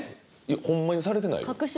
ホンマにされてないよ。